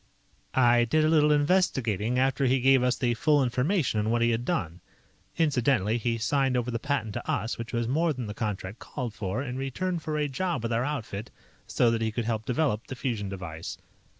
"I did a little investigating after he gave us the full information on what he had done. (Incidentally, he signed over the patent to us, which was more than the contract called for, in return for a job with our outfit, so that he could help develop the fusion device.)